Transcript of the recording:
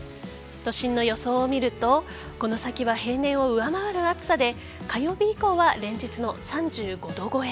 都心の予想を見るとこの先は平年を上回る暑さで火曜日以降は連日の３５度超え。